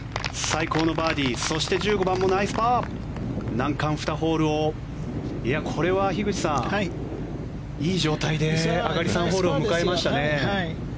最高のバーディーそして１５番もナイスパー難関２ホールをこれは樋口さんいい状態で上がり３ホールを迎えましたね。